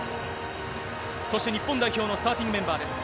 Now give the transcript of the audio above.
そして日本代表のスターティングメンバーです。